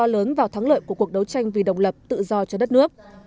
lớn vào thắng lợi của cuộc đấu tranh vì độc lập tự do cho đất nước